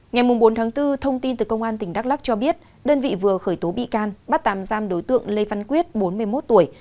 ngày bốn tháng bốn thông tin từ công an tỉnh đắk lắc cho biết đơn vị vừa khởi tố bị can bắt tạm giam đối tượng lê văn quyết bốn mươi một tuổi